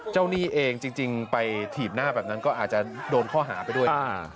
หนี้เองจริงไปถีบหน้าแบบนั้นก็อาจจะโดนข้อหาไปด้วย